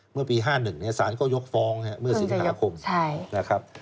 เมื่อปี๕๑สารก็ยกฟ้องเมื่อสินคาคม